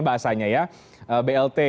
bahasanya ya blt